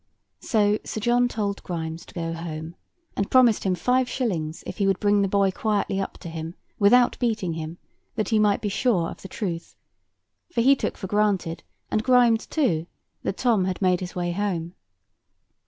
So Sir John told Grimes to go home, and promised him five shillings if he would bring the boy quietly up to him, without beating him, that he might be sure of the truth. For he took for granted, and Grimes too, that Tom had made his way home.